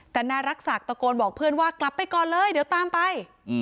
แต่นายรักษักตะโกนบอกเพื่อนว่ากลับไปก่อนเลยเดี๋ยวตามไป